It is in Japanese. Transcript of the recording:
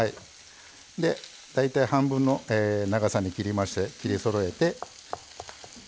大体半分の長さに切りまして切りそろえて。